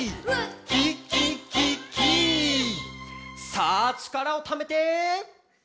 「さあちからをためて！」